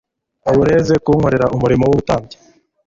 ubereze kunkorera umurimo w ubutambyi